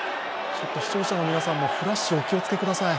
視聴者の皆さんもフラッシュ、お気をつけください。